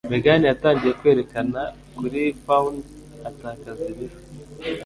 Megan yatangiye kwerekana kuri pound atakaza ibiro.